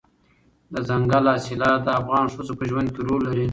دځنګل حاصلات د افغان ښځو په ژوند کې رول لري.